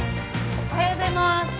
・おはようございます。